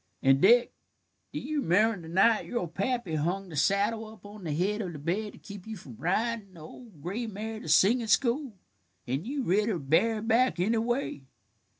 "And, Dick, do you remember the night your pappy hung the saddle up on the head of the bed to keep you from ridin' the old gray mare to singin' school, and you rid her, bareback, anyway?